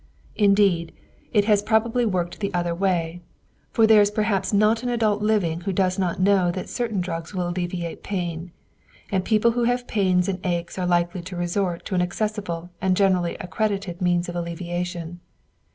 Indeed, it has probably worked the other way, for there is perhaps not an adult living who does not know that certain drugs will alleviate pain, and people who have pains and aches are likely to resort to an accessible and generally accredited means of alleviation.